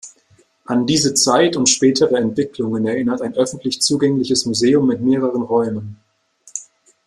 An diese Zeit und spätere Entwicklungen erinnert ein öffentlich zugängliches Museum mit mehreren Räumen.